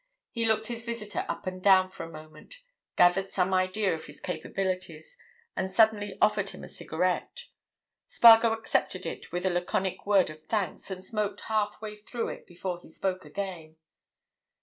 He looked his visitor up and down for a moment; gathered some idea of his capabilities, and suddenly offered him a cigarette. Spargo accepted it with a laconic word of thanks, and smoked half way through it before he spoke again.